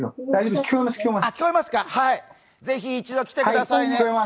ぜひ一度来てくださいね。